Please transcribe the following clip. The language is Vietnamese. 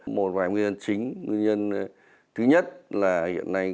một vài nguyên nhân chính nguyên nhân thứ nhất là hiện nay